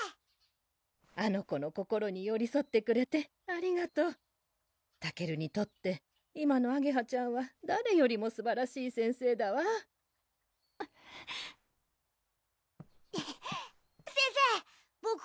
あの子の心によりそってくれてありがとうたけるにとって今のあげはちゃんは誰よりもすばらしい先生だわ先生ボク